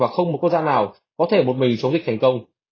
và không một quốc gia nào có thể một mình chống dịch thành công